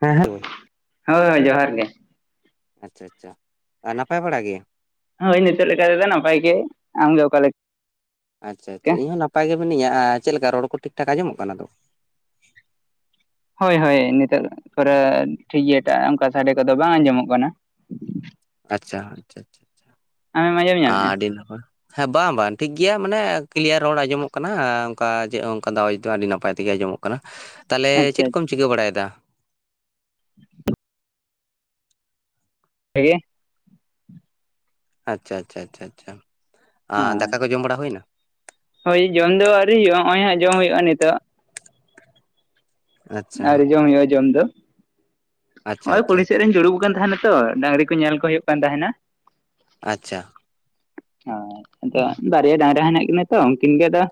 ᱦᱮᱸ [unintelligible] ᱾ ᱦᱳᱭ ᱡᱚᱦᱟᱨ ᱜᱮ ᱾ ᱟᱪᱪᱷᱟ ᱟᱪᱪᱷᱟ ᱟᱨ ᱱᱟᱯᱟᱭ ᱵᱟᱲᱟ ᱜᱮᱭᱟᱢ? ᱦᱳᱭ ᱱᱤᱛᱚᱜ ᱞᱮᱠᱟ ᱛᱮᱫᱚ ᱱᱟᱯᱟᱭ ᱜᱮ ᱾ ᱟᱢ ᱜᱮ ᱚᱠᱟ ᱞᱮᱠᱟ? ᱟᱪᱪᱷᱟ ᱟᱪᱪᱷᱟ, ᱤᱧ ᱦᱚᱸ ᱱᱟᱯᱟᱭ ᱜᱮ ᱢᱤᱱᱟᱹᱧᱟ ᱟᱨ ᱪᱮᱫ ᱞᱮᱠᱟ ᱨᱚᱲ ᱠᱚ ᱴᱷᱤᱠ ᱴᱷᱟᱠ ᱟᱸᱡᱚᱢᱚᱜ ᱠᱟᱱᱟ ᱛᱚ? ᱦᱳᱭ ᱦᱳᱭ ᱱᱤᱛᱚᱜ ᱛᱷᱚᱲᱟ ᱴᱷᱤᱠ ᱜᱮᱭᱟ ᱮᱴᱟᱜ ᱚᱱᱠᱟ ᱥᱟᱰᱮ ᱠᱚᱫᱚ ᱵᱟᱝ ᱟᱸᱡᱚᱢᱚᱜ ᱠᱟᱱᱟ ᱾ ᱟᱪᱪᱷᱟ, ᱟᱪᱪᱷᱟ ᱟᱪᱪᱷᱟ ᱟᱪᱪᱷᱟ, ᱟᱢᱮᱢ ᱟᱸᱡᱚᱢ ᱧᱟᱢᱮᱫᱼᱟ ᱟᱹᱰᱤ ᱱᱟᱯᱟᱭ ᱾ ᱦᱮᱸ ᱵᱟᱝ ᱵᱟᱝ ᱴᱷᱤᱠ ᱜᱮᱭᱟ ᱢᱟᱱᱮ ᱠᱞᱤᱭᱟᱨ ᱨᱚᱲ ᱟᱸᱡᱚᱢᱚᱜ ᱠᱟᱱᱟ ᱚᱱᱠᱟ ᱪᱮᱫ ᱦᱚᱸ ᱚᱱᱠᱟ ᱫᱚ ᱟᱣᱟᱡᱽ ᱫᱚ ᱟᱹᱰᱤ ᱱᱟᱯᱟᱭ ᱛᱮᱜᱮ ᱟᱸᱡᱚᱢᱚᱜ ᱠᱟᱱᱟ ᱾ ᱛᱟᱦᱚᱞᱮ ᱟᱪᱪᱷᱟ ᱪᱮᱫ ᱠᱚᱢ ᱟᱪᱪᱷᱟ ᱪᱤᱠᱟᱹ ᱵᱟᱲᱟᱭᱮᱫᱟ? [unintelligible] [unintelligible] ᱟᱪᱪᱷᱟ ᱟᱪᱪᱷᱟ ᱟᱪᱪᱷᱟ ᱟᱪᱪᱷᱟ, ᱟᱨ ᱦᱳᱭ ᱫᱟᱠᱟ ᱠᱚ ᱡᱚᱢ ᱵᱟᱲᱟ ᱦᱩᱭᱮᱱᱟ? ᱦᱳᱭ ᱡᱚᱢ ᱫᱚ ᱟᱹᱣᱨᱤ ᱦᱩᱭᱩᱜᱼᱟ ᱱᱚᱜᱼᱚᱭ ᱦᱟᱸᱜ ᱡᱚᱢ ᱦᱩᱭᱩᱜᱼᱟ ᱱᱤᱛᱚᱜ ᱾ ᱟᱪᱪᱷᱟ ᱟ. ᱣᱨᱤ ᱡᱚᱢ ᱦᱩᱣᱩᱜᱼᱟ ᱡᱚᱢ ᱫᱚ ᱾ ᱟᱪᱪᱷᱟ ᱱᱚᱜᱼᱚᱭ ᱟᱪᱪᱷᱟ ᱠᱩᱞᱦᱤ ᱥᱮᱫ ᱟᱪᱪᱷᱟ ᱨᱤᱧ ᱡᱩᱲᱩᱵ ᱠᱟᱱ ᱛᱟᱦᱮᱱᱟ ᱛᱚ ᱰᱟᱸᱝᱨᱤ ᱠᱚ ᱧᱮᱞ ᱠᱚ ᱦᱩᱭᱩᱜ ᱠᱟᱱ ᱛᱟᱦᱮᱱᱟ ᱾ ᱟᱪᱪᱷᱟ ᱾ ᱦᱳᱭ, ᱟᱫᱚ ᱵᱟᱨᱭᱟ ᱰᱟᱸᱝᱨᱟ ᱦᱮᱱᱟᱜ ᱠᱤᱱᱟᱹ ᱛᱚ ᱩᱱᱠᱤᱱ ᱜᱮ ᱟᱫᱚ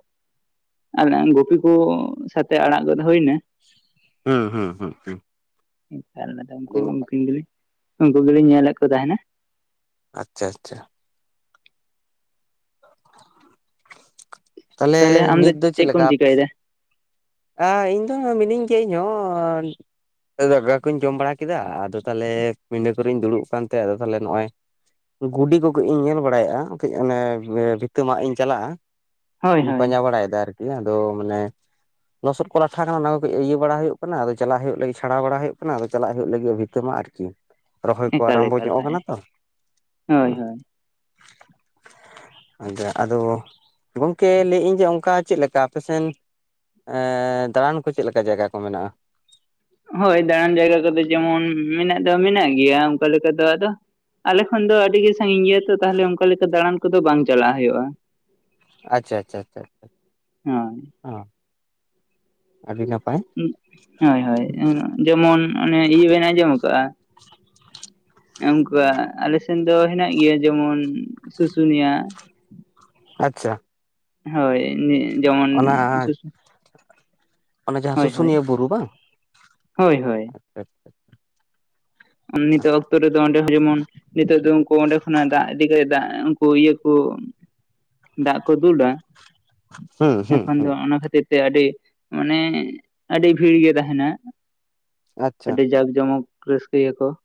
[unintelligible] ᱜᱩᱯᱤ ᱠᱚ ᱥᱟᱛᱮ ᱟᱲᱟᱜ ᱜᱚᱫ ᱦᱩᱭ ᱮᱱᱟ ᱾ ᱦᱩᱸ ᱦᱩᱸ ᱦᱩᱸ ᱦᱩᱸ ᱾ ᱮᱠᱟᱞ ᱟᱫᱚ ᱩᱱᱠᱩ ᱩᱱᱠᱤᱱ ᱜᱮᱞᱤᱧ ᱩᱱᱠᱩ ᱜᱮᱞᱤᱧ ᱧᱮᱞ ᱮᱫ ᱠᱚ ᱛᱟᱦᱮᱱᱟ ᱾ ᱟᱪᱪᱷᱟ ᱟᱪᱪᱷᱟ ᱾ ᱛᱟᱦᱚᱞᱮ ᱱᱤᱛ ᱫᱚ ᱪᱮᱫ ᱞᱮᱠᱟ ᱟᱯᱮ [inaudible] ᱦᱮᱸ ᱤᱧ ᱫᱚ ᱢᱤᱱᱟᱹᱧ ᱜᱮᱭᱟ ᱤᱧᱦᱚ ᱫᱟᱠᱟ ᱠᱚᱧ ᱡᱚᱢ ᱵᱟᱲᱟ ᱠᱮᱫᱟ ᱟᱫᱚ ᱛᱟᱦᱚᱞᱮ ᱯᱤᱸᱰᱟᱹ ᱠᱚᱨᱮᱧ ᱫᱩᱲᱩᱵ ᱠᱟᱱᱛᱮ ᱟᱫᱚ ᱛᱟᱦᱚᱞᱮ ᱱᱚᱜ-ᱚᱭ ᱜᱩᱰᱤ ᱠᱚ ᱠᱟᱹᱡ ᱤᱧ ᱧᱮᱞ ᱵᱟᱲᱟᱭᱮᱜ-ᱟ ᱠᱟᱹᱡ ᱚᱱᱮ ᱵᱷᱤᱛᱟᱹ ᱢᱟᱜ ᱤᱧ ᱪᱟᱞᱟᱜ-ᱟ ᱾ ᱦᱳᱭ ᱦᱳᱭ ᱯᱟᱸᱡᱟ ᱵᱟᱲᱟᱭᱮᱫᱟ ᱟᱨᱠᱤ ᱟᱫᱚ ᱢᱟᱱᱮ ᱞᱥᱫᱚ ᱠᱚ ᱞᱟᱴᱷᱟ ᱠᱟᱱᱟ ᱚᱱᱟ ᱠᱚ ᱠᱟᱹᱡ ᱤᱭᱟᱹ ᱵᱟᱲᱟ ᱦᱩᱭᱩᱜ ᱠᱟᱱᱟ, ᱟᱫᱚ ᱪᱟᱞᱟᱜ ᱦᱩᱭᱩᱜ ᱞᱟᱹᱜᱤᱫ ᱪᱷᱟᱲᱟᱣ ᱵᱟᱲᱟ ᱦᱩᱭᱩᱜ ᱠᱟᱱᱟ ᱟᱫᱚ ᱪᱟᱞᱟᱜ ᱦᱩᱭᱩᱜ ᱞᱟᱹᱜᱤᱫ ᱵᱷᱤ ᱛᱟᱹ ᱢᱟᱜ ᱟᱨᱠᱤ ᱨᱚᱦᱚᱭ ᱠᱚ ᱮᱠᱟᱞ ᱟᱨᱟᱢᱵᱚ ᱮᱠᱟᱞ ᱧᱚᱜ ᱦᱮᱸ ᱠᱟᱱᱟ ᱛᱚ [inaudible] ᱦᱳᱭ ᱦᱮᱸ ᱾ ᱦᱳᱭ [inaudible] ᱟᱪᱪᱷᱟ ᱟᱫᱚ ᱜᱚᱝᱠᱮ ᱞᱟᱹᱭᱮᱫᱟᱹᱧ ᱡᱮ ᱚᱱᱠᱟ ᱪᱮᱫ ᱞᱮᱠᱟ ᱟᱯᱮᱥᱮᱱ ᱮ ᱫᱟᱬᱟᱱ ᱠᱚ ᱪᱮᱫ ᱞᱮᱠᱟ ᱡᱟᱭᱜᱟ ᱠᱚ ᱢᱮᱱᱟᱜ-ᱟ? ᱦᱳᱭ ᱫᱟᱬᱟᱱ ᱡᱟᱭᱜᱟ ᱠᱚᱫᱚ ᱡᱮᱢᱚᱱ ᱢᱮᱱᱟᱜ ᱫᱚ ᱢᱮᱱᱟᱜ ᱜᱮᱭᱟ ᱚᱱᱠᱟ ᱞᱮᱠᱟ ᱫᱚ ᱟᱫᱚ ᱟᱞᱮ ᱠᱷᱚᱱ ᱫᱚ ᱟᱹᱰᱤ ᱜᱮ ᱥᱟᱸᱜᱤᱧ ᱜᱮᱭᱟ ᱛᱚ ᱛᱟᱦᱚᱞᱮ ᱚᱱᱠᱟ ᱞᱮᱠᱟ ᱫᱟᱬᱟᱱ ᱠᱚᱫᱚ ᱵᱟᱝ ᱪᱟᱞᱟᱜ ᱦᱩᱭᱩᱜ-ᱟ ᱾ ᱟᱪᱪᱷᱟ ᱟᱪᱪᱷᱟ ᱟᱪᱪᱷᱟ ᱾ [inaudible] ᱦᱚᱸ ᱾ ᱦᱳᱭ ᱦᱳᱭ ᱡᱮᱢᱚᱱ ᱚᱱᱮ ᱤᱭᱟᱹ ᱵᱮᱱ ᱟᱸᱡᱚᱢ ᱠᱟᱜ-ᱟ ᱚᱱᱠᱟ ᱟᱞᱮ ᱫᱚ ᱦᱮᱱᱟᱜ ᱜᱮᱭᱟ ᱡᱮᱢᱚᱱ ᱥᱩᱥᱩᱱᱤᱭᱟ ᱾ ᱟᱪᱪᱷᱟ ᱾ ᱦᱳᱭ [unintelligible] ᱡᱮᱢᱚᱱ ᱚᱱᱟ ᱥᱩᱥ ᱚᱱᱟ [inaudible] ᱡᱟᱦᱟᱸ ᱦᱳᱭ ᱦᱳᱭ ᱥᱩᱥᱩᱱᱤᱭᱟᱹ [inaudible] ᱵᱩᱨᱩ ᱵᱟᱝ ᱦᱳᱭ ᱦᱳᱭ ᱾ [inaudible] ᱱᱤᱛᱚᱜ ᱚᱠᱛᱚ ᱨᱮᱫᱚ ᱚᱸᱰᱮ ᱦᱚ ᱡᱮᱢᱚᱱ ᱱᱤᱛᱚᱜ ᱫᱚ ᱩᱱᱠᱩ ᱚᱸᱰᱮ ᱠᱷᱚᱱᱟᱜ ᱫᱟᱜ ᱤᱫᱤ ᱫᱟᱜ ᱩᱱᱠᱩ ᱤᱭᱟᱹ ᱠᱚ [inaudible] ᱫᱟᱜ ᱠᱚ ᱫᱩᱞᱟ ᱾ ᱦᱩᱸ [inaudible] ᱦᱩᱸ ᱮᱠᱷᱚᱱ ᱦᱩᱸ ᱫᱚ ᱚᱱᱟ ᱠᱷᱟᱹᱛᱤᱨ ᱟᱹᱰᱤ ᱢᱟᱱᱮ ᱟ. ᱰᱤ ᱵᱷᱤᱲ ᱜᱮ ᱛᱟᱦᱮᱱᱟ ᱾ ᱟᱪᱪᱷᱟ ᱟᱹᱰᱤ ᱡᱟᱠ ᱡᱚᱢᱚᱠ ᱨᱟᱹᱥᱠᱟᱹᱭᱟᱠᱚ ᱾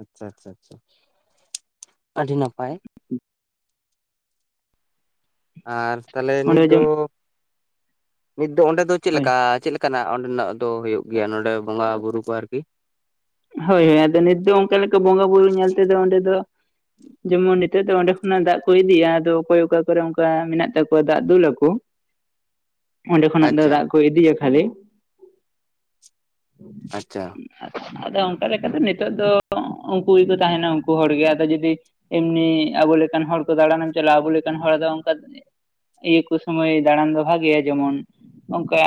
ᱟᱪᱪᱷᱟ ᱟᱪᱪᱷᱟ ᱟᱪᱪᱷᱟ [inaudible] ᱟᱹᱰᱤ ᱱᱟᱯᱟᱭ ᱾ ᱟᱨ ᱛᱟᱦᱚᱞᱮ ᱱᱤᱛ ᱚᱸᱰᱮ ᱫᱚ ᱡᱚᱢ [inaudible] ᱱᱤᱛ ᱫᱚ ᱚᱸᱰᱮ ᱫᱚ ᱪᱮᱫ ᱦᱳᱭ ᱞᱮᱠᱟ ᱪᱮᱫ ᱞᱮ ᱠᱟᱱᱟᱜ ᱚᱸᱰᱮᱱᱟᱜ ᱫᱚ ᱦᱩᱭᱩᱜ ᱜᱮᱭᱟ ᱱᱚᱰᱮ ᱵᱚᱸᱜᱟ ᱵᱩᱨᱩ ᱠᱚ ᱟᱨᱠᱤ ᱾ ᱦᱳᱭ ᱟᱫᱚ ᱱᱤᱛ ᱫᱚ ᱚᱱᱠᱟ ᱞᱮᱠᱟ ᱵᱚᱸᱜᱟ ᱵᱩᱨᱩ ᱧᱮᱞ ᱛᱮᱫᱚ ᱚᱸᱰᱮ ᱫᱚ ᱡᱮᱢᱚᱱ ᱱᱤᱛᱚᱜ ᱫᱚ ᱚᱸᱰᱮ ᱠᱷᱚᱱᱟᱜ ᱫᱟᱜ ᱠᱚ ᱤᱫᱤᱜᱤᱭᱟ ᱟᱫᱚ ᱚᱠᱚᱭ ᱚᱠᱟ ᱠᱚᱨᱮ ᱚᱱᱠᱟ ᱢᱮᱱᱟᱜ ᱛᱟᱠᱚᱣᱟ ᱫᱟᱜ ᱫᱩᱞ ᱟᱠᱚ ᱾ [inaudible] ᱚᱸᱰᱮ ᱠᱷᱚᱱᱟᱜ ᱫᱚ ᱟᱪᱪᱷᱟ ᱫᱟᱜ ᱠᱚ ᱤᱫᱤᱭᱟ ᱠᱷᱟᱹᱞᱤ ᱾ [inaudible] ᱟᱪᱪᱷᱟ ᱾ ᱟᱫᱚ ᱚᱱᱠᱟ ᱞᱮᱠᱟᱛᱮ ᱱᱤᱛᱚᱜ ᱫᱚ ᱩᱱᱠᱩ ᱜᱮᱠᱚ ᱛᱟᱦᱮᱱᱟ ᱩᱱᱠᱩ ᱦᱚᱲ ᱜᱮ ᱾ ᱟᱫᱚ ᱡᱩᱫᱤ ᱮᱢᱱᱤ ᱟᱵᱚ ᱞᱮᱠᱟᱱ ᱦᱚᱲ ᱠᱚ ᱫᱟᱬᱟᱱᱮᱢ ᱪᱟᱞᱟᱜ-ᱟ, ᱟᱵᱚ ᱞᱮᱠᱟᱱ ᱦᱚᱲ ᱫᱚ ᱚᱱᱠᱟ ᱤᱭᱟᱹ ᱠᱚ ᱥᱚᱢᱚᱭ ᱫᱟᱬᱟᱱ ᱫᱚ ᱵᱷᱟᱜᱮᱭᱟ ᱡᱮᱢᱚᱱ ᱚᱱᱠᱟ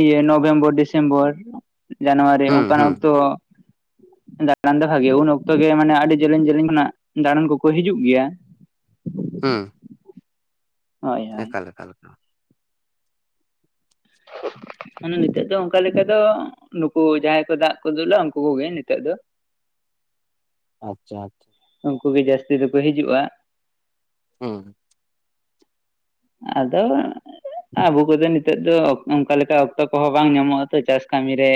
ᱤᱭᱟᱹ ᱱᱚᱵᱷᱮᱢᱵᱚᱨ ᱰᱤᱥᱮᱢᱵᱚᱨ ᱡᱟᱱᱩᱣᱟᱨᱤ ᱦᱩᱸ ᱚᱱᱠᱟᱱ ᱦᱩᱸ ᱚᱠᱛᱚ ᱫᱟᱬᱟᱱ ᱫᱚ ᱵᱷᱟᱜᱤᱭᱟ, ᱩᱱ ᱚᱠᱛᱚ ᱜᱮ ᱢᱟᱱᱮ ᱟᱹᱰᱤ ᱡᱮᱞᱮᱧ ᱡᱮᱞᱮᱧ ᱠᱷᱚᱱᱟᱜ ᱫᱟᱬᱟᱱ ᱠᱚᱠᱚ ᱦᱤᱡᱩᱜ ᱜᱮᱭᱟ ᱾ ᱦᱮᱸ ᱾ ᱦᱳᱭ ᱦᱳᱭ ᱮᱠᱟᱞ ᱮᱠᱟᱞ ᱾ [inaudible] ᱢᱟᱱᱮ ᱱᱤᱛᱚᱜ ᱫᱚ ᱚᱱᱠᱟ ᱞᱮᱠᱟ ᱫᱚ ᱱᱩᱠᱩ ᱡᱟᱦᱟᱸᱭ ᱠᱚ ᱫᱟᱜ ᱠᱚ ᱫᱩᱞᱟ ᱩᱱᱠᱩ ᱠᱚᱜᱮ ᱱᱤᱛᱚᱜ ᱫᱚ ᱾ ᱟᱪᱪᱷᱟ ᱟᱪᱪᱷᱟ ᱾ ᱩᱱᱠᱩ ᱜᱮ ᱡᱟᱹᱥᱛᱤ ᱫᱚᱠᱚ ᱦᱤᱡᱩᱜ-ᱟ ᱾ ᱦᱩᱸ ᱾ ᱟᱫᱚ ᱟᱵᱚ ᱠᱚᱨᱮᱱ ᱱᱤᱛ ᱱᱤᱛᱚᱜ ᱫᱚ ᱚᱱᱠᱟ ᱞᱮᱠᱟ ᱚᱠᱛᱚ ᱠᱚᱦᱚᱸ ᱵᱟᱝ ᱧᱟᱢᱚᱜᱼᱟ ᱛᱚ ᱪᱟᱥ ᱠᱟᱹᱢᱤᱨ ᱨᱮᱻ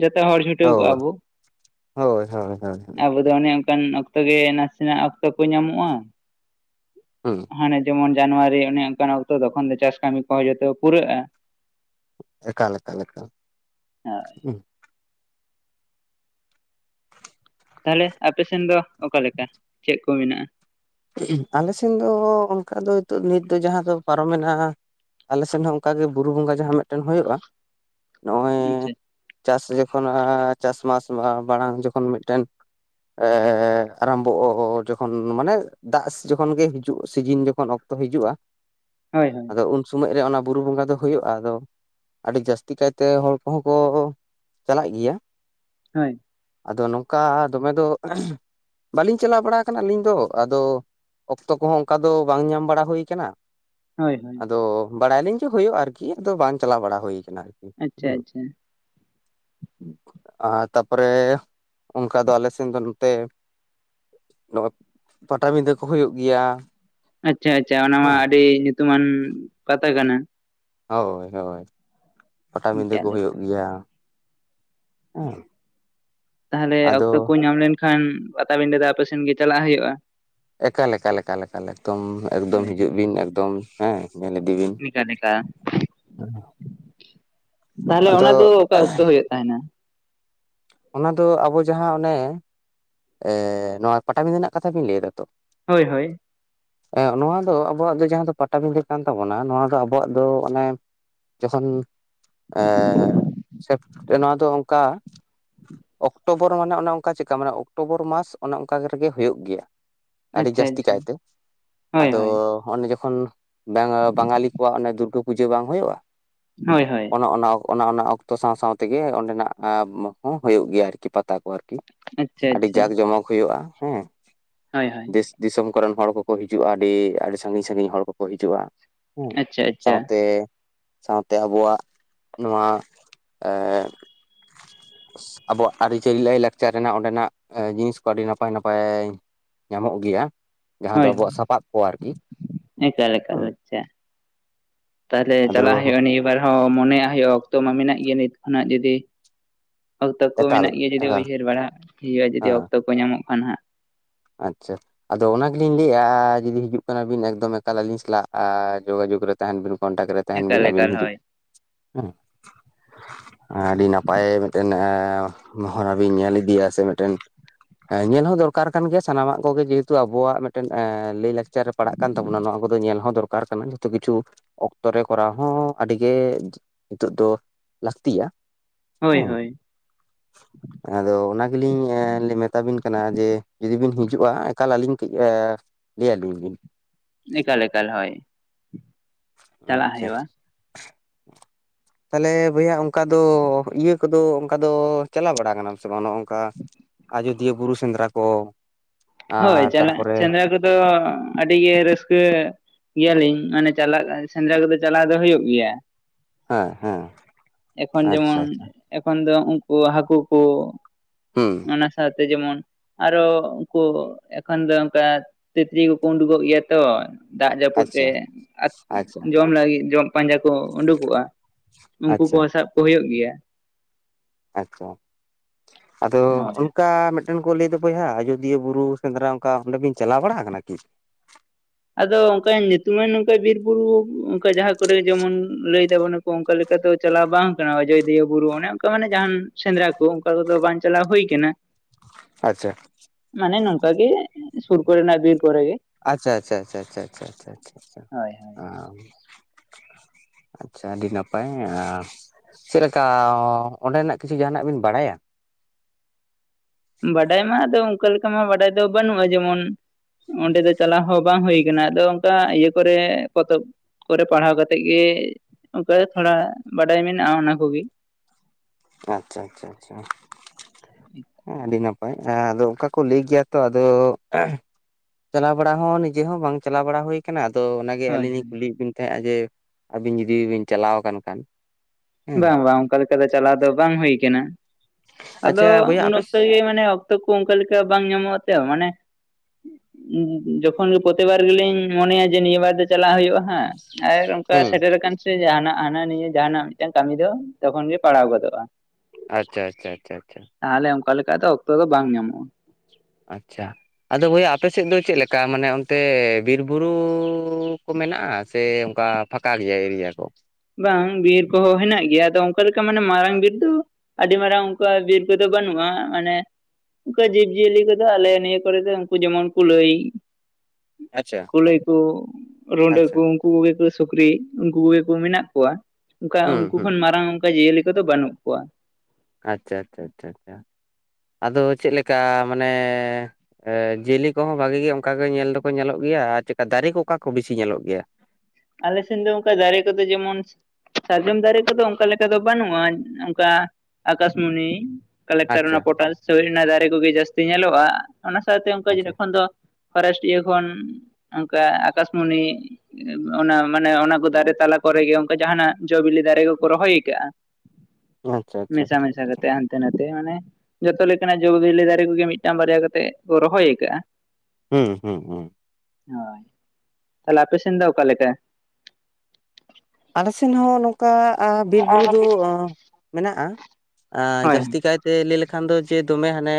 ᱡᱷᱚᱛᱚ ᱦᱚᱲ ᱪᱷᱩᱴᱟᱹᱣ ᱠᱚᱜᱼᱟ ᱦᱳᱭ ᱵᱚ ᱦᱳᱭ ᱦᱳᱭ ᱦᱳᱭ ᱟᱵᱚ ᱫᱚ ᱚᱱᱮ ᱚᱱᱠᱟᱱ ᱚᱠᱛᱚ ᱜᱮ ᱱᱟᱥᱮᱱᱟᱜ ᱚᱠᱛᱚ ᱠᱚ ᱧᱟᱢᱚᱜᱼᱟ ᱦᱩᱸ ᱦᱟᱱᱮ ᱡᱮᱢᱚᱱ ᱡᱟᱱᱩᱣᱟᱨᱤ ᱚᱱᱮ ᱚᱱᱠᱟᱱ ᱚᱠᱛᱚ ᱛᱚᱠᱷᱚᱱ ᱫᱚ ᱪᱟᱥ ᱠᱟᱹᱢᱤ ᱠᱚᱦᱚᱸ ᱡᱚᱛᱚ ᱯᱩᱨᱟᱹᱜᱼᱟ ᱮᱠᱟᱞ ᱮᱠᱟᱞ ᱮᱠᱟᱞ ᱦᱩ ᱛᱟᱦᱚᱞᱮ ᱟᱯᱮᱥᱮᱱ ᱫᱚ ᱚᱠᱟᱞᱠᱟ ᱪᱮᱫ ᱠᱚ ᱢᱮᱱᱟᱜᱼᱟ? ᱟᱞᱮ ᱥᱮᱱ ᱫᱚ ᱚᱱᱠᱟ ᱫᱚ ᱱᱤᱛᱚᱜ ᱱᱤᱛ ᱫᱚ ᱡᱟᱦᱟᱸ ᱠᱚ ᱯᱟᱨᱚᱢᱮᱱᱟ ᱟᱞᱮ ᱥᱮᱫ ᱦᱚᱸ ᱚᱱᱠᱟᱜᱮ ᱵᱩᱨᱩ ᱵᱚᱸᱜᱟ ᱡᱟᱦᱟᱸ ᱢᱤᱫᱴᱮᱱ ᱦᱩᱭᱩᱜᱼᱟ ᱱᱚᱜᱼᱚᱭ ᱟᱪᱪᱷᱟ ᱪᱟᱥ ᱡᱚᱠᱷᱚᱱ ᱟᱨ ᱪᱟᱥᱢᱟᱥ ᱢᱟᱲᱟᱝ ᱡᱚᱠᱷᱚᱱ ᱢᱤᱫᱴᱮᱱ ᱮ ᱟᱨᱟᱢᱵᱷᱚᱜ ᱡᱚᱠᱷᱚᱱ ᱢᱟᱱᱮ ᱫᱟᱜ ᱡᱚᱠᱷᱚᱱ ᱜᱮ ᱦᱤᱡᱩᱜ, ᱥᱤᱡᱤᱱ ᱡᱚᱠᱷᱚᱱ ᱚᱠᱛᱚ ᱦᱤᱡᱩᱜᱼᱟ ᱦᱳᱭ ᱦᱳᱭ ᱟᱫᱚ ᱩᱱ ᱥᱚᱢᱚᱭ ᱨᱮ ᱚᱱᱟ ᱵᱩᱨᱩ ᱵᱚᱸᱜᱟ ᱫᱚ ᱦᱩᱭᱩᱜᱼᱟ ᱟᱫᱚ ᱾ ᱟᱰᱤ ᱡᱟᱹᱥᱛᱤ ᱠᱟᱭᱛᱮ ᱦᱚᱲ ᱠᱚᱦᱚᱸ ᱠᱚ ᱪᱟᱞᱟᱜ ᱜᱮᱭᱟ ᱦᱳᱭ ᱟᱫᱚ ᱱᱚᱝᱠᱟ ᱫᱚᱢᱮ ᱫᱚ ᱵᱟᱞᱤᱧ ᱪᱟᱞᱟᱣ ᱵᱟᱲᱟ ᱟᱠᱟᱱᱟ ᱟᱹᱞᱤᱧ ᱫᱚ ᱟᱫᱚ ᱚᱠᱛᱚ ᱠᱚᱦᱚᱸ ᱚᱱᱠᱟ ᱫᱚ ᱵᱟᱝ ᱧᱟᱢ ᱵᱟᱲᱟ ᱦᱩᱭ ᱟᱠᱟᱱᱟ ᱦᱳᱭ ᱦᱳᱭ ᱟᱫᱚ ᱵᱟᱲᱟᱭᱟᱞᱤᱧ ᱦᱳᱭᱩᱜᱼᱟ ᱟᱨᱠᱤ, ᱟᱫᱚ ᱵᱟᱝ ᱪᱟᱞᱟᱣ ᱵᱟᱲᱟ ᱦᱩᱭ ᱠᱟᱱᱟ ᱟᱨᱠᱤ ᱟᱪᱪᱷᱟ ᱦᱩᱸ ᱟᱪᱪᱷᱟ ᱟᱨ ᱛᱟᱯᱚᱨᱮ ᱚᱱᱠᱟ ᱫᱚ ᱟᱞᱮ ᱥᱮᱱ ᱫᱚ ᱱᱚᱛᱮ [unintelligible] ᱯᱟᱴᱟᱵᱤᱸᱫᱟᱹ ᱠᱚ ᱦᱩᱭᱩᱜ ᱜᱮᱭᱟ ᱟᱪᱪᱷᱟ ᱟᱪᱪᱷᱟ ᱚᱱᱟ ᱢᱟ ᱦᱮᱸ ᱟᱹᱰᱤ ᱧᱩᱛᱩᱢᱟᱱ ᱯᱟᱛᱟ ᱠᱟᱱᱟ ᱦᱳᱭ ᱦᱳᱭ ᱯᱟᱴᱟᱵᱤᱫᱟᱹ ᱪᱮᱫ ᱠᱚ ᱞᱮᱠᱟ᱾ ᱦᱳᱭᱳᱜ ᱜᱮᱭᱟ ᱦᱮ ᱛᱟᱦᱚᱞᱮ ᱚᱠᱛᱚ ᱠᱚ ᱧᱟᱢ ᱞᱮᱱᱠᱷᱟᱱ ᱯᱟᱛᱟᱵᱤᱱᱫᱟᱹ ᱫᱚ ᱟᱯᱮ ᱥᱮᱱ ᱜᱮ ᱪᱟᱞᱟᱜ ᱦᱩᱭᱩᱜᱼᱟ ᱾ ᱮᱠᱟᱞ ᱮᱠᱟᱞ ᱮᱠᱟᱞ ᱮᱠᱟᱞ ᱮᱠᱫᱚᱢ ᱮᱠᱫᱚᱢ ᱦᱳᱭ ᱦᱤᱡᱩᱜ ᱦᱳᱭ ᱵᱤᱱ ᱮᱠᱫᱚᱢ ᱦᱮᱸ ᱧᱮᱞ ᱤᱫᱤ ᱵᱤᱱ ᱮᱠᱟᱞ ᱮᱠᱟᱞ ᱛᱟᱦᱞᱮ ᱚᱱᱟ ᱫᱚ ᱟᱫᱚ ᱚᱠᱟ ᱚᱠᱛᱚ ᱦᱳᱭᱳᱜ ᱛᱟᱦᱮᱱᱟ? ᱚᱱᱟ ᱫᱚ ᱟᱵᱚ ᱡᱟᱦᱟᱸ ᱚᱱᱮ ᱮᱻ ᱱᱚᱣᱟ ᱯᱟᱴᱟᱵᱤᱸᱫᱟᱹ ᱨᱮᱱᱟᱜ ᱠᱟᱛᱷᱟ ᱵᱤᱱ ᱞᱟᱹᱭ ᱫᱟᱛᱚ? ᱦᱳᱭ ᱦᱳᱭ ᱮᱸᱜ ᱱᱚᱣᱟ ᱫᱚ ᱟᱵᱚᱣᱟᱜ ᱫᱚ ᱡᱟᱦᱟᱸ ᱫᱚ ᱯᱟᱴᱟᱵᱤᱸᱫᱟᱹ ᱠᱟᱱ ᱛᱟᱵᱚᱱᱟ ᱱᱚᱣᱟ ᱫᱚ ᱟᱵᱚᱣᱟᱜ ᱫᱚ ᱚᱱᱮ ᱡᱚᱠᱷᱚᱱ ᱮᱸᱻ ᱥᱮᱯ ᱱᱚᱣᱟ ᱫᱚ ᱚᱱᱠᱟ ᱚᱠᱴᱳᱵᱚᱨ ᱢᱟᱱᱮ ᱚᱱᱮ ᱚᱱᱠᱟ ᱪᱤᱠᱟ ᱢᱟᱱᱮ ᱚᱠᱴᱳᱵᱚᱨ ᱢᱟᱥ ᱚᱱᱮ ᱚᱱᱠᱟ ᱨᱮᱜᱮ ᱦᱩᱭᱩᱜ ᱜᱮᱭᱟ ᱟᱹᱰᱤ ᱟᱪᱪᱷᱟ ᱡᱟᱹᱥᱛᱤ ᱟᱪᱪᱷᱟ ᱠᱟᱭᱛᱮ, ᱦᱳᱭ ᱟᱫᱚ ᱦᱳᱭ ᱦᱚᱸᱜ-ᱱᱮ ᱡᱚᱠᱷᱚᱱ ᱵᱟᱝ ᱵᱟᱝᱜᱟᱞᱤ ᱠᱚᱣᱟᱜ ᱚᱱᱮ ᱫᱩᱨᱜᱟᱹ ᱯᱩᱡᱟᱹ ᱵᱟᱝ ᱦᱩᱭᱩᱜᱼᱟ ᱦᱳᱭ ᱦᱳᱭ ᱚᱱᱮ ᱚᱱᱟ ᱚᱱᱟ ᱚᱱᱟ ᱚᱠᱛᱚ ᱥᱟᱶ ᱥᱟᱶ ᱛᱮᱜᱮ ᱚᱸᱰᱮᱱᱟᱜ ᱦᱚᱸ ᱦᱩᱭᱩᱜ ᱜᱮᱭᱟ ᱟᱨᱠᱤ ᱯᱟᱛᱟ ᱠᱚ ᱟᱨᱠᱤ ᱟᱪᱪᱷᱟ ᱟᱰᱤ ᱟᱪᱪᱷᱟ ᱡᱟᱸᱠ ᱡᱚᱢᱚᱠ ᱦᱳᱭᱩᱜᱼᱟ ᱦᱮᱸ ᱦᱳᱭ ᱦᱳᱭ ᱫᱮᱥ ᱫᱤᱥᱚᱢ ᱠᱚᱨᱮᱱ ᱦᱚᱲ ᱠᱚᱠᱚ ᱦᱤᱡᱩᱜᱼᱟ ᱟᱹᱰᱤ ᱟᱹᱰᱤ ᱥᱟᱺᱜᱤᱧ ᱥᱟᱺᱜᱤᱧ ᱦᱚᱲ ᱠᱚᱠᱚ ᱦᱤᱡᱩᱜᱼᱟ ᱦᱩ ᱟᱪᱪᱷᱟ ᱟᱪᱪᱷᱟ ᱥᱟᱶᱛᱮ ᱥᱟᱶᱛᱮ ᱟᱵᱚᱣᱟᱜ ᱱᱚᱣᱟ ᱮ ᱟᱵᱚᱣᱟᱜ ᱟᱹᱨᱤ ᱪᱟᱹᱞᱤ ᱞᱟᱭᱞᱟᱠᱪᱟᱨ ᱨᱮᱱᱟᱜ ᱚᱸᱰᱮᱱᱟᱜ ᱡᱤᱱᱤᱥ ᱠᱚ ᱟᱹᱰᱤ ᱱᱟᱯᱟᱭ ᱱᱟᱯᱟᱭ ᱧᱟᱢᱚᱜ ᱜᱮᱭᱟ᱾ ᱡᱟᱦᱟᱸ ᱫᱚ ᱦᱳᱭ ᱟᱵᱚᱣᱟᱜ ᱥᱟᱯᱟᱵ ᱠᱚ ᱟᱨᱠᱤ ᱮᱠᱟ ᱞᱮᱠᱟ ᱦᱮᱸ ᱫᱚ ᱪᱮᱫ? ᱛᱟᱦᱞᱮ ᱟᱫᱚ ᱪᱟᱞᱟᱜ ᱦᱩᱭᱩᱜᱼᱟ ᱱᱤᱭᱟᱹᱵᱟᱨ ᱦᱚᱸ ᱢᱚᱱᱮᱭᱟᱜ ᱦᱩᱭᱩᱜᱼᱟ ᱚᱠᱛᱚ ᱢᱟ ᱢᱮᱱᱟᱜ ᱜᱮᱭᱟ ᱱᱤᱛ ᱠᱷᱚᱱᱟᱜ ᱡᱩᱫᱤ ᱚᱠᱛᱚ ᱠᱚ ᱮᱠᱟᱞ ᱢᱮᱱᱟᱜ ᱜᱮᱭᱟ ᱡᱩᱫᱤ ᱮᱠᱟᱞ ᱩᱭᱦᱟᱹᱨ ᱵᱟᱲᱟ ᱦᱩᱭᱩᱜᱼᱟ ᱡᱩᱫᱤ ᱦᱮᱸ ᱚᱠᱛᱚ ᱠᱚ ᱧᱟᱢᱚᱜ ᱠᱷᱟᱱ ᱦᱟᱸᱜ᱾ ᱟᱪᱪᱷᱟ᱾ ᱟᱫᱚ ᱚᱱᱟ ᱜᱮᱞᱤᱧ ᱞᱟᱹᱭᱟ ᱡᱩᱫᱤ ᱦᱤᱡᱩᱜ ᱠᱟᱱᱟᱵᱤᱱ ᱮᱠᱫᱚᱢ ᱮᱠᱟᱞ ᱟᱞᱤᱧ ᱥᱟᱞᱟᱜ ᱟᱨ ᱡᱳᱜᱟᱡᱳᱜᱽ ᱨᱮ ᱛᱟᱦᱮᱱ ᱵᱤᱱ ᱠᱚᱱᱴᱟᱠ ᱨᱮ ᱛᱟᱦᱮᱱ ᱮᱠᱟᱞ ᱵᱤᱱ ᱟᱹᱵᱤᱱ ᱮᱠᱟᱞ ᱦᱤᱡᱩᱜ ᱦᱳᱭ ᱦᱮᱸ᱾ ᱟᱹᱰᱤ ᱱᱟᱯᱟᱭ ᱢᱤᱫᱴᱮᱱ ᱦᱚᱨᱟ ᱵᱤᱧ ᱧᱮᱞ ᱤᱫᱤᱭᱟ ᱥᱮ ᱢᱤᱫᱴᱮᱱ ᱦᱮᱸ ᱧᱮᱞ ᱦᱚᱸ ᱫᱚᱨᱠᱟᱨ ᱠᱟᱱ ᱜᱮᱭᱟ ᱥᱟᱱᱟᱢᱟᱜ ᱠᱚᱜᱮ ᱡᱮᱦᱮᱛᱩ ᱟᱵᱚᱣᱟᱜ ᱢᱤᱫᱴᱮᱱ ᱮᱻ ᱞᱟᱹᱭ-ᱞᱟᱠᱪᱟᱨ ᱨᱮ ᱯᱟᱲᱟᱜ ᱠᱟᱱ ᱛᱟᱵᱚᱱᱟ ᱱᱚᱣᱟ ᱠᱚᱫᱚ ᱧᱮᱞ ᱦᱚᱸ ᱫᱚᱨᱠᱟᱨ ᱠᱟᱱᱟ᱾ ᱡᱚᱛᱚ ᱠᱤᱪᱷᱩ ᱚᱠᱛᱚ ᱨᱮ ᱠᱚᱨᱟᱣ ᱦᱚᱸ ᱟᱹᱰᱤ ᱜᱮ ᱱᱤᱛᱚᱜ ᱫᱚ ᱞᱟᱠᱛᱤᱭᱟ᱾ ᱦᱳᱭ ᱦᱮᱸ ᱦᱳᱭ ᱟᱫᱚ ᱚᱱᱟ ᱜᱮᱞᱤᱧ ᱢᱮᱛᱟᱵᱤᱱ ᱠᱟᱱᱟ ᱡᱮ ᱡᱩᱫᱤ ᱵᱤᱱ ᱦᱤᱡᱩᱜ-ᱟ ᱮᱠᱟᱞ ᱟᱞᱤᱧ ᱞᱟ. ᱭ ᱟᱵᱤᱱ ᱜᱤᱧ᱾ ᱮᱠᱟᱞ ᱮᱠᱟᱞ ᱦᱚᱭ᱾ ᱟᱪᱪᱷᱟ᱾ ᱛᱟᱦᱚᱞᱮ ᱵᱚᱭᱦᱟ ᱚᱱᱠᱟ ᱫᱚ ᱤᱭᱟᱹ ᱠᱚᱫᱚ ᱚᱱᱠᱟ ᱫᱚ ᱪᱟᱞᱟᱣ ᱵᱟᱲᱟ ᱠᱟᱱᱟᱢ ᱥᱮ ᱵᱟᱝ ᱱᱚ ᱱᱚᱝᱠᱟ ᱟᱡᱚᱫᱤᱭᱟᱹ ᱵᱩᱨᱩ ᱥᱮᱸᱫᱽᱨᱟ ᱠᱚ? ᱦᱳᱭ ᱟᱨ ᱪᱟᱞᱟᱜ ᱛᱟᱨᱯᱚᱨᱮ ᱥᱮᱸᱫᱽᱨᱟ ᱠᱚᱫᱚ ᱟᱹᱰᱤ ᱜᱮ ᱨᱟᱹᱥᱠᱟᱹ ᱜᱮᱭᱟᱞᱤᱧ ᱢᱟᱱᱮ ᱪᱟᱞᱟᱜ ᱥᱮᱸᱫᱽᱨᱟ ᱠᱚᱫᱚ ᱪᱟᱞᱟᱣ ᱫᱚ ᱦᱩᱭᱩᱜ ᱜᱮᱭᱟ᱾ ᱦᱮᱸ ᱦᱮᱸ᱾ ᱮᱠᱷᱚᱱ ᱟᱪᱪᱷᱟ ᱡᱮᱢᱚᱱ ᱟᱪᱪᱷᱟ ᱮᱠᱷᱚᱱ ᱫᱚ ᱩᱱᱠᱩ ᱦᱟᱹᱠᱩ ᱠᱚ ᱦᱩᱸ᱾ ᱚᱱᱟ ᱥᱟᱶᱛᱮ ᱡᱮᱢᱚᱱ ᱟᱨᱚ ᱩᱱᱠᱩ ᱮᱠᱷᱚᱱ ᱫᱚ ᱚᱱᱠᱟ ᱛᱤᱛᱨᱤ ᱠᱚᱠᱚ ᱩᱰᱩᱠᱚᱜ ᱜᱮᱭᱟ ᱛᱚ᱾ ᱫᱟᱜ ᱡᱟᱹᱯᱩᱫ ᱨᱮ ᱟᱪᱪᱷᱟ ᱟᱪᱪᱷᱟ ᱡᱚᱢ ᱞᱟᱹᱜᱤᱫ ᱡᱚᱢ ᱯᱟᱸᱡᱟ ᱠᱚ ᱩᱰᱩᱠᱚᱜᱼᱟ᱾ ᱩᱱᱠᱩ ᱟᱪᱪᱷᱟ ᱠᱚᱦᱚᱸ ᱥᱟᱵ ᱠᱚ ᱦᱩᱭᱩᱜ ᱜᱮᱭᱟ᱾ ᱟᱪᱪᱷᱟ ᱟᱫᱚ ᱦᱳᱭ ᱚᱱᱠᱟ ᱢᱤᱫ ᱮᱱ ᱠᱚ ᱞᱟᱹᱭ ᱮᱫᱟ ᱵᱚᱭᱦᱟ ᱟᱡᱳᱫᱤᱭᱟᱹ ᱵᱩᱨᱩ ᱥᱮᱸᱫᱽᱨᱟ ᱚᱱᱠᱟ ᱚᱸᱰᱮ ᱵᱤᱱ ᱪᱟᱞᱟᱣ ᱵᱟᱲᱟ ᱟᱠᱟᱱᱟ ᱠᱤ? ᱟᱫᱚ ᱚᱱᱠᱟ ᱧᱩᱛᱩᱢᱟᱱ ᱱᱚᱝᱠᱟ ᱵᱤᱨ ᱵᱩᱨᱩ ᱚᱱᱠᱟ ᱡᱟᱦᱟᱸ ᱠᱚᱨᱮ ᱡᱮᱢᱚᱱ ᱞᱟᱹᱭ ᱫᱟᱵᱚᱱ ᱚᱱᱠᱟ ᱞᱮᱠᱟ ᱫᱚ ᱪᱟᱞᱟᱣ ᱵᱟᱝ ᱠᱟᱱᱟ ᱚᱡᱚᱫᱤᱭᱟᱹ ᱵᱩᱨᱩ ᱚᱱᱮ ᱚᱱᱠᱟ ᱢᱟᱱᱮ ᱡᱟᱦᱟᱱ ᱥᱮᱸᱫᱽᱨᱟ ᱠᱚ ᱚᱱᱠᱟ ᱠᱚᱫᱚ ᱵᱟᱝ ᱪᱟᱞᱟᱣ ᱦᱩᱭ ᱠᱟᱱᱟ᱾ ᱟᱪᱪᱷᱟ᱾ ᱢᱟᱱᱮ ᱱᱚᱝᱠᱟ ᱜᱮ ᱥᱩᱨ ᱠᱚᱨᱮᱱᱟᱜ ᱵᱤᱨ ᱠᱚᱨᱮ ᱜᱮ᱾ ᱟᱪᱪᱷᱟ-ᱟᱪᱪᱷᱟ-ᱟᱪᱪᱷᱟ-ᱟᱪᱷᱟ-ᱟᱪᱪᱷᱟ ᱟᱪᱪᱷᱟ, ᱦᱳᱭ ᱦᱳᱭ ᱚᱻ ᱟᱪᱪᱷᱟ ᱟᱹᱰᱤ ᱱᱟᱯᱟᱭ ᱟᱨ ᱪᱮᱫᱞᱮᱠᱟ ᱚᱸᱰᱮᱱᱟᱜ ᱠᱤᱪᱷᱩ ᱡᱟᱦᱟᱱᱟᱜ ᱵᱤᱱ ᱵᱟᱲᱟᱭᱟ? ᱵᱟᱰᱟᱭ ᱢᱟ ᱟᱫᱚ ᱚᱱᱠᱟ ᱞᱮᱠᱟ ᱢᱟ ᱵᱟᱰᱟᱭ ᱫᱚ ᱵᱟᱹᱱᱩᱜᱼᱟ ᱡᱮᱢᱚᱱ ᱚᱸᱰᱮ ᱫᱚ ᱪᱟᱞᱟᱣ ᱦᱚᱸ ᱵᱟᱝ ᱦᱩᱭ ᱟᱠᱟᱱᱟ ᱟᱫᱚ ᱚᱱᱠᱟ ᱤᱭᱟᱹ ᱠᱚᱨᱮ ᱯᱚᱛᱚᱵ ᱠᱚᱨᱮ ᱯᱟᱲᱦᱟᱣ ᱠᱟᱛᱮᱜ ᱜᱮ ᱚᱱᱠᱟ ᱛᱷᱚᱲᱟ ᱵᱟᱰᱟᱭ ᱢᱮᱱᱟᱜᱼᱟ ᱚᱱᱟ ᱠᱚᱜᱮ᱾ ᱟᱪᱪᱷᱟ ᱟᱪᱪᱷᱟ ᱟᱪᱪᱷᱟ ᱦᱮᱸ ᱟᱹᱰᱤ ᱱᱟᱯᱟᱭ᱾ ᱦᱮ ᱟᱫᱚ ᱚᱱᱠᱟ ᱠᱚ ᱞᱟᱹᱭ ᱜᱮᱭᱟ ᱛᱚ ᱟᱫᱚ ᱪᱟᱞᱟᱣ ᱵᱟᱲᱟ ᱦᱚᱸ ᱱᱤᱡᱮ ᱦᱚᱸ ᱵᱟᱝ ᱪᱟᱞᱟᱣ ᱵᱟᱲᱟ ᱦᱩᱭ ᱟᱠᱟᱱᱟ ᱟᱫᱚ ᱚᱱᱟᱜᱮ ᱜᱮ ᱦᱳᱭ ᱟᱹᱞᱤᱧ ᱞᱤᱧ ᱦᱳᱭ ᱠᱩᱞᱤᱭᱮᱫ ᱵᱤᱱ ᱛᱟᱦᱮᱸᱜᱼᱟ ᱡᱮ ᱟᱹᱵᱤᱱ ᱡᱩᱫᱤ ᱵᱤᱱ ᱪᱟᱞᱟᱣ ᱟᱠᱟᱱ ᱠᱷᱟᱱ᱾ ᱦᱮᱸ ᱵᱟᱝ ᱵᱟᱝ ᱚᱱᱠᱟ ᱞᱮᱠᱟ ᱫᱚ ᱪᱟᱞᱟᱣ ᱫᱚ ᱵᱟᱝ ᱦᱩᱭ ᱠᱟᱱᱟ ᱟᱪᱪᱷᱟ ᱟᱫᱚ ᱵᱚᱭᱦᱟ ᱩᱱ ᱟᱯᱮ ᱚᱠᱛᱚ ᱜᱮ ᱢᱟᱱᱮ ᱚᱠᱛᱚ ᱠᱩ ᱚᱱᱠᱟ ᱞᱮᱠᱟ ᱵᱟᱝ ᱧᱟᱢᱚᱜᱼᱟ ᱛᱮ ᱢᱟᱱᱮ ᱡᱚᱠᱷᱚᱱ ᱜᱮ ᱯᱨᱚᱛᱤᱵᱟᱨ ᱜᱮᱞᱤᱧ ᱢᱚᱱᱮᱭᱟ ᱡᱮ ᱱᱤᱭᱟᱹ ᱵᱟᱨ ᱫᱚ ᱪᱟᱞᱟᱜ ᱦᱩᱭᱩᱜᱼᱟ ᱦᱟᱸᱜ᱾ ᱟᱨ ᱚᱱᱠᱟ ᱦᱮᱸ ᱥᱮᱴᱮᱨ ᱟᱠᱟᱱ ᱥᱮ ᱡᱟᱦᱱᱟᱜ ᱦᱟᱱᱟ ᱱᱤᱭᱟᱹ ᱡᱟᱦᱱᱟᱜ ᱢᱤᱫᱴᱟᱝ ᱠᱟᱹᱢᱤ ᱫᱚ ᱛᱚᱠᱷᱚᱱ ᱜᱮ ᱯᱟᱲᱟᱣ ᱜᱚᱫᱚᱜᱼᱟ᱾ ᱟᱪᱪᱷᱟ ᱟᱪᱷᱟ ᱟᱪᱷᱟ ᱟᱪᱷᱟ ᱟᱪᱷᱟ᱾ ᱛᱟᱦᱚᱞᱮ ᱚᱝᱠᱟ ᱞᱮᱠᱟ ᱫᱚ ᱚᱠᱛᱚ ᱫᱚ ᱵᱟᱝ ᱧᱟᱢᱚᱜᱼᱟ? ᱟᱪᱪᱷᱟ᱾ ᱟᱫᱚ ᱵᱚᱭᱦᱟ ᱟᱯᱮᱥᱮᱫ ᱫᱚ ᱪᱮᱫ ᱞᱮᱠᱟ ᱢᱟᱱᱮ ᱚᱱᱛᱮ ᱵᱤᱨ ᱵᱩᱨᱩᱻ ᱠᱚ ᱢᱮᱱᱟᱜᱼᱟ ᱥᱮ ᱚᱝᱠᱟ ᱯᱷᱟᱸᱠᱟ ᱜᱮᱭᱟ ᱮᱨᱤᱭᱟ ᱠᱚ? ᱵᱟᱝ ᱵᱤᱨ ᱠᱚᱦᱚᱸ ᱦᱮᱸᱱᱟᱜ ᱜᱮᱭᱟ ᱟᱫᱚ ᱚᱱᱠᱟ ᱞᱮᱠᱟ ᱢᱟᱱᱮ ᱢᱟᱨᱟᱝ ᱵᱤᱨ ᱫᱚ ᱟᱹᱰᱤ ᱢᱟᱨᱟᱝ ᱚᱱᱠᱟ ᱵᱤᱨ ᱠᱚᱫᱚ ᱵᱟᱹᱱᱩᱜᱼᱟ ᱢᱟᱱᱮ ᱩᱱᱠᱩ ᱡᱤᱵᱽ ᱡᱤᱭᱟᱹᱞᱤ ᱠᱚᱫᱚ ᱟᱞᱮ ᱱᱤᱭᱟᱹ ᱠᱚᱨᱮ ᱫᱚ ᱩᱱᱠᱩ ᱡᱮᱢᱚᱱ ᱠᱩᱞᱟᱹᱭ ᱟᱪᱪᱷᱟ ᱠᱩᱞᱟᱹᱭ ᱠᱩ ᱨᱩᱸᱰᱟᱹ ᱟᱪᱪᱷᱟ ᱠᱩ ᱠᱩᱜᱮ ᱠᱚ ᱥᱩᱠᱨᱤ ᱩᱱᱠᱩ ᱠᱚᱜᱮ ᱠᱚ ᱢᱮᱱᱟᱜ ᱠᱚᱣᱟ ᱚᱱᱠᱟ ᱦᱩᱸ ᱩᱱᱠᱩ ᱦᱩᱸ ᱠᱷᱚᱱ ᱢᱟᱨᱟᱝ ᱚᱱᱠᱟ ᱡᱤᱭᱟᱹᱞᱤ ᱠᱚᱫᱚ ᱵᱟᱹᱱᱩᱜ ᱠᱚᱣᱟ᱾ ᱟᱪᱪᱷᱟ ᱟᱪᱪᱷᱟ ᱪᱷᱟᱷᱟ, ᱟᱫᱚ ᱪᱮᱫ ᱞᱮᱠᱟ ᱢᱟᱱᱮ ᱮ ᱡᱤᱭᱟᱹᱞᱤ ᱠᱚᱦᱚᱸ ᱵᱷᱟᱜᱤ ᱜᱮ ᱚᱱᱠᱟᱜᱮ ᱧᱮᱞ ᱫᱚᱠᱚ ᱧᱮᱞᱚᱜ ᱜᱮᱭᱟ ᱟᱨ ᱪᱮᱠᱟ ᱫᱟᱨᱮ ᱠᱚ ᱚᱠᱟ ᱠᱚ ᱵᱮᱥᱤ ᱧᱮᱞᱚᱜ ᱜᱮᱭᱟ? ᱟᱞᱮ ᱥᱮᱱ ᱫᱚ ᱚᱱᱠᱟ ᱫᱟᱨᱮ ᱠᱚᱫᱚ ᱡᱮᱢᱚᱱ ᱥᱟᱨᱡᱚᱢ ᱫᱟᱨᱮ ᱠᱚᱫᱚ ᱚᱱᱠᱟ ᱞᱮᱠᱟ ᱫᱚ ᱵᱟᱹᱱᱩᱜᱼᱟ ᱚᱱᱠᱟ ᱟᱠᱟᱥᱵᱩᱱᱤ ᱠᱟᱞᱮᱠᱴᱟᱨ ᱟᱪᱪᱷᱟ ᱚᱱᱟ ᱯᱚᱴᱟᱥ ᱦᱳᱭ ᱚᱱᱟ ᱫᱟᱨᱮ ᱠᱚᱜᱮ ᱡᱟᱹᱥᱛᱤ ᱧᱮᱞᱚᱜᱼᱟ ᱚᱱᱟ ᱥᱟᱣᱛᱮ ᱚᱱᱠᱟ ᱟᱪᱪᱷᱟ ᱡᱚᱠᱷᱚᱱ ᱫᱚ ᱯᱷᱚᱨᱮᱥᱴ ᱤᱭᱟᱹ ᱠᱷᱚᱱ ᱚᱱᱠᱟ ᱟᱠᱟᱥᱵᱩᱱᱤ ᱚᱱᱟ ᱢᱟᱱᱮ ᱚᱱᱟ ᱠᱚ ᱫᱟᱨᱮ ᱛᱟᱞᱟ ᱠᱚᱨᱮᱜᱮ ᱚᱱᱠᱟ ᱡᱟᱦᱟᱸᱱᱟᱜ ᱡᱚ ᱵᱤᱞᱤ ᱫᱟᱨᱮ ᱠᱚᱠᱚ ᱨᱚᱦᱚᱭ ᱠᱟᱜᱼᱟ᱾ ᱟᱪᱪᱷᱟ ᱟᱪᱪᱷᱟ ᱢᱮᱥᱟ ᱢᱮᱥᱟ ᱟᱪᱪᱷᱟ ᱠᱟᱛᱮ ᱦᱟᱱᱛᱮ ᱱᱟᱛᱮ ᱢᱟᱱᱮ ᱡᱷᱚᱛᱚ ᱞᱮᱠᱟᱱᱟᱜ ᱡᱳᱼ ᱵᱮᱞᱮ ᱫᱟᱨᱮ ᱠᱚᱜᱮ ᱢᱤᱫᱴᱟᱝ ᱵᱟᱨᱭᱟ ᱠᱟᱛᱮᱜ ᱠᱚ ᱨᱚᱦᱚᱭ ᱠᱟᱜᱼᱟ᱾ ᱦᱩᱸ ᱦᱩᱸ ᱦᱩᱸ᱾ ᱦᱳᱭ ᱛᱟᱦᱚᱞᱮ ᱟᱯᱮ ᱥᱮᱱ ᱫᱚ ᱚᱠᱟ ᱞᱮᱠᱟ? ᱟᱞᱮ ᱥᱮᱱ ᱦᱚᱸ ᱱᱚᱝᱠᱟ ᱵᱤᱨ ᱵᱩᱨᱩ ᱫᱚ ᱢᱮᱱᱟᱜᱼᱟ ᱦᱳᱭ ᱡᱟᱹᱥᱛᱤ ᱠᱟᱭ ᱛᱮ ᱞᱟᱹᱭ ᱞᱮᱠᱷᱟᱱ ᱫᱚ ᱡᱮ ᱫᱚᱢᱮ ᱦᱟᱸᱱᱮ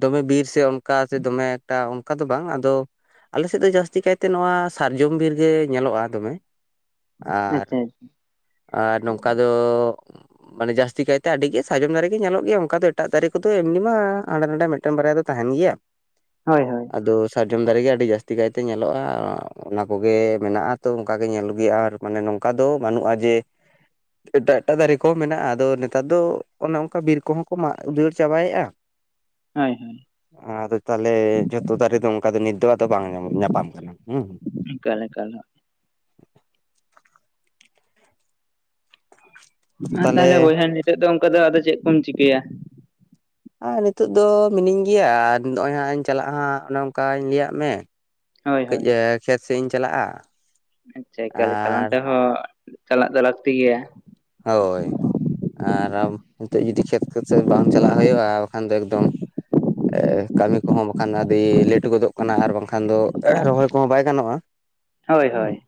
ᱫᱚᱢᱮ ᱵᱤᱨ ᱥᱮ ᱚᱱᱠᱟ ᱥᱮ ᱫᱚᱢᱮ ᱮᱠᱴᱟ ᱚᱱᱠᱟ ᱫᱚ ᱵᱟᱝ ᱟᱫᱚ ᱟᱞᱮᱥᱮᱫ ᱫᱚ ᱡᱟᱹᱥᱛᱤ ᱠᱟᱭᱛᱮ ᱱᱚᱣᱟ ᱥᱟᱨᱡᱚᱢ ᱵᱤᱨ ᱜᱮ ᱧᱮᱞᱚᱜᱼᱟ ᱫᱚᱢᱮ᱾ ᱟᱨ ᱟᱪᱪᱷᱟ ᱟᱨ ᱱᱚᱝᱠᱟ ᱫᱚ ᱢᱟᱱᱮ ᱡᱟᱹᱥᱛᱤ ᱠᱟᱭᱛᱮ ᱟᱹᱰᱤ ᱜᱮ ᱥᱟᱨᱡᱚᱢ ᱫᱟᱨᱮ ᱜᱮ ᱧᱮᱞᱚᱜ ᱜᱮᱭᱟ ᱚᱱᱠᱟ ᱫᱚ ᱮᱴᱟᱜ ᱫᱟᱨᱮ ᱠᱚᱫᱚ ᱮᱢᱱᱤ ᱢᱟ ᱦᱟᱸᱰᱮ ᱱᱟᱰᱮ ᱢᱮᱫ ᱴᱮᱱ ᱵᱟᱨᱭᱟ ᱫᱚ ᱛᱟᱦᱮᱸᱱ ᱜᱮᱭᱟ᱾ ᱦᱳᱭ ᱦᱳᱭ᱾ ᱟᱫᱚ ᱥᱟᱨᱡᱚᱢ ᱫᱟᱨᱮᱜᱮ ᱟᱹᱰᱤ ᱡᱟᱹᱥᱛᱤ ᱠᱟᱭᱛᱮ ᱧᱮᱞᱚᱜᱼᱟ ᱚᱱᱟ ᱠᱚᱜᱮ ᱢᱮᱱᱟᱜᱼᱟ ᱛᱚ ᱚᱱᱠᱟᱜᱮ ᱧᱮᱞ ᱟᱜᱩᱭ ᱦᱩᱭᱩᱜᱼᱟ ᱟᱨ ᱢᱟᱱᱮ ᱱᱚᱝᱠᱟ ᱫᱚ ᱵᱟᱹᱱᱩᱜᱼᱟ ᱡᱮ ᱮᱴᱟᱜ ᱮᱴᱟᱜ ᱫᱟᱨᱮ ᱠᱚᱦᱚᱸ ᱢᱮᱱᱟᱜᱼᱟ ᱟᱫᱚ ᱱᱮᱛᱟᱨ ᱫᱚ ᱚᱱᱮ ᱚᱱᱠᱟ ᱵᱤᱨ ᱠᱚᱦᱚᱸ ᱠᱚ ᱢᱟᱜ ᱩᱫᱟᱹᱲ ᱪᱟᱵᱟᱭᱮᱼᱟ, [inaudible] ᱦᱳᱭ ᱦᱳᱭ᱾ ᱟᱫᱚ ᱛᱟᱦᱚᱞᱮ ᱡᱷᱚᱛᱚ ᱫᱟᱨᱮ ᱫᱚ ᱚᱱᱠᱟ ᱱᱤᱛ ᱫᱚ ᱟᱫᱚ ᱵᱟᱝ ᱧᱟᱯᱟᱢ ᱠᱟᱱᱟ ᱦᱩᱸ᱾ ᱮᱠᱟᱞ ᱮᱠᱟᱞᱚ᱾ ᱢᱟ ᱛᱟᱦᱚᱞᱮ ᱵᱚᱭᱦᱟ ᱱᱤᱛᱚᱜ ᱫᱚ ᱚᱱᱠᱟ ᱫᱚ ᱟᱫᱚ ᱪᱮᱫ ᱠᱚᱢ ᱪᱤᱠᱟᱹᱭᱟ? ᱟᱨ ᱱᱤᱛᱚᱜ ᱫᱚ ᱢᱤᱱᱟᱹᱧ ᱜᱮᱭᱟ ᱟᱨ ᱱᱚᱸᱜᱼᱚᱭ ᱦᱟᱸᱜ ᱤᱧ ᱪᱟᱞᱟᱜᱼᱟ ᱦᱟᱸᱜ ᱚᱱᱮ ᱚᱱᱠᱟᱧ ᱞᱟᱹᱭᱟᱫ ᱢᱮ᱾ ᱦᱳᱭ ᱠᱟᱹᱡ ᱦᱳᱭ ᱮ ᱠᱷᱮᱛ ᱥᱮᱫ ᱤᱧ ᱪᱟᱞᱟᱜᱼᱟ᱾ ᱟᱪᱪᱷᱟ ᱮᱠᱟᱞ ᱮᱠᱟᱞ ᱟᱨ ᱚᱱᱛᱮ ᱦᱚᱸ ᱪᱟᱞᱟᱜ ᱫᱚ ᱞᱟᱜᱛᱤ ᱜᱮᱭᱟ᱾ ᱦᱳᱭ᱾ ᱟᱨ ᱟᱢ ᱱᱤᱛᱚᱜ ᱡᱩᱫᱤ ᱠᱷᱮᱛ ᱠᱚ ᱥᱮᱫ ᱵᱟᱝ ᱪᱟᱞᱟᱜ ᱦᱩᱭᱩᱜᱼᱟ ᱵᱟᱠᱷᱟᱱ ᱫᱚ ᱮᱠᱫᱚᱢ ᱮ ᱠᱟᱹᱢᱤ ᱠᱚᱦᱚᱸ ᱵᱟᱠᱷᱟᱱ ᱟᱹᱰᱤ ᱞᱮᱴ ᱜᱚᱫᱚᱜ ᱠᱟᱱᱟ ᱟᱨ ᱵᱟᱝᱠᱷᱟᱱ ᱫᱚ ᱨᱚᱦᱚᱭ ᱠᱚᱦᱚᱸ ᱵᱟᱭ ᱜᱟᱱᱚᱜᱼᱟ᱾ [inaudible] ᱦᱳᱭ ᱦᱳᱭ᱾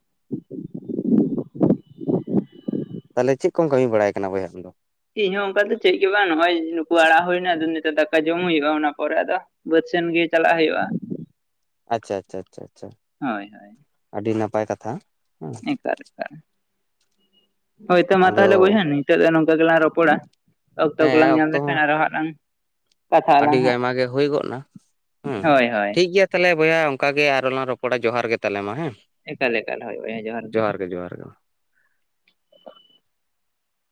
ᱛᱟᱦᱚᱞᱮ ᱪᱮᱫ ᱠᱚᱢ ᱠᱟᱹᱢᱤ ᱵᱟᱲᱟᱭ ᱠᱟᱱᱟ ᱵᱚᱭᱦᱟ ᱟᱢ ᱫᱚ? ᱤᱧ ᱦᱚᱸ ᱚᱱᱠᱟ ᱫᱚ ᱪᱮᱫ ᱜᱮ ᱵᱟᱝ ᱱᱚᱜᱚᱭ ᱱᱩᱠᱩ ᱟᱲᱟᱜ ᱦᱩᱭ ᱮᱱᱟ ᱟᱫᱚ ᱱᱤᱛᱚᱜ ᱫᱟᱠᱟ ᱡᱚᱢ ᱦᱩᱭᱩᱜ-ᱟ ᱾ ᱚᱱᱟ ᱯᱚᱨᱮ ᱟᱫᱚ ᱵᱟᱹᱫ ᱥᱮᱱ ᱜᱮ ᱪᱟᱞᱟᱜ ᱦᱩᱭᱩᱜ-ᱟ ᱾ ᱟᱪᱪᱷᱟ ᱟᱪᱷᱟ ᱟᱪᱪᱷᱟ ᱟᱪᱪᱷᱟ ᱾ ᱦᱳᱭ ᱦᱳᱭ ᱾ ᱟᱹᱰᱤ ᱱᱟᱯᱟᱭ ᱠᱟᱛᱷᱟ ᱦᱮᱸ ᱾ ᱮᱠᱟᱞ ᱮᱠᱟᱞ ᱾ [inaudible] ᱦᱳᱭ ᱛᱳ ᱢᱟ ᱟᱫᱚ ᱛᱟᱦᱞᱮ ᱵᱚᱭᱦᱟ ᱱᱤᱛᱚᱜ ᱫᱚ ᱱᱚᱝᱠᱟ ᱜᱮᱞᱟᱝ ᱨᱚᱯᱚᱲᱟ ᱾ ᱚᱠᱛᱚ ᱦᱮᱸ ᱠᱚᱞᱟᱝ ᱧᱟᱢ ᱚᱠᱛᱚ ᱞᱮᱠᱷᱟᱱ ᱦᱚᱸ ᱟᱨᱚ ᱦᱟᱸᱜ ᱞᱟᱝ ᱠᱟᱛᱷᱟᱜ ᱟᱹᱰᱤ ᱟᱞᱟᱝ ᱦᱟᱸᱜ ᱟᱭᱢᱟ ᱜᱮ ᱦᱩᱭ ᱜᱚᱫ ᱮᱱᱟ ᱦᱩᱸ ᱦᱳᱭ ᱦᱳᱭ ᱴᱷᱤᱠ ᱜᱮᱭᱟ ᱾ ᱛᱟᱦᱚᱞᱮ ᱵᱚᱭᱦᱟ ᱚᱱᱠ ᱜᱮ ᱟᱨᱚᱞᱟᱝ ᱨᱚᱯᱚᱲᱟ ᱡᱚᱦᱟᱨ ᱜᱮ ᱛᱟᱞᱮ ᱢᱟ ᱦᱮᱸ ᱾ ᱮᱠᱟᱞ ᱮᱠᱟᱞ ᱦᱚᱭ ᱵᱚᱭᱦᱟ ᱡᱚᱦᱟᱨ ᱜᱮ ᱾ ᱜᱮ